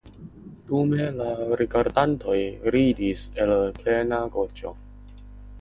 Dume la rigardantoj ridis el plena gorĝo.